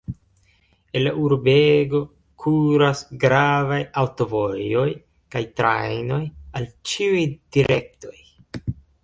El la urbego kuras gravaj aŭtovojoj kaj trajnoj al ĉiuj direktoj.